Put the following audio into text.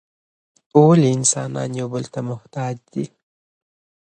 ولي انسانان یو بل ته محتاج دي؟